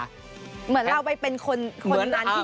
เหมือนเราไปเป็นคนหลานที่อยู่ในเกม